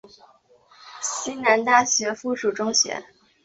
西南大学附属中学。